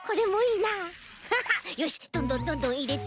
よしどんどんどんどんいれて。